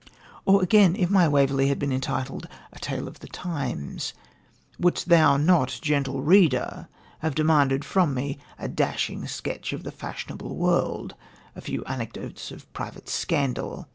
Or again, if my Waverley had been entitled 'A Tale of the Times,' wouldst thou not, gentle reader, have demanded from me a dashing sketch of the fashionable world, a few anecdotes of private scandal